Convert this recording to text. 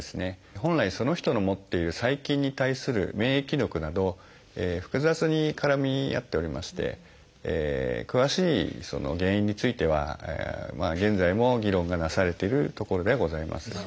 本来その人の持っている細菌に対する免疫力など複雑に絡み合っておりまして詳しい原因については現在も議論がなされているところではございます。